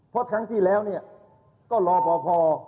เพราะครั้งที่แล้วก็รอพอพอ